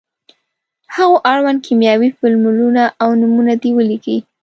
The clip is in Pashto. هغو اړوند کیمیاوي فورمولونه او نومونه دې ولیکي.